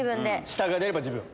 下が出れば自分。